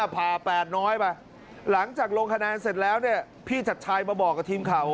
พาแปดน้อยไปหลังจากลงคะแนนเสร็จแล้วเนี่ยพี่ชัดชัยมาบอกกับทีมข่าว